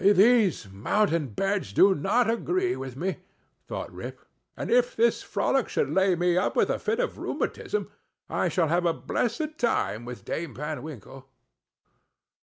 "These mountain beds do not agree with me," thought Rip, "and if this frolic should lay me up with a fit of rheumatism, I shall have a blessed time with Dame Van Winkle."